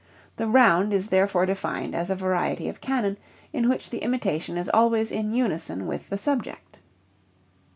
The round is therefore defined as a variety of canon in which the imitation is always in unison with the subject.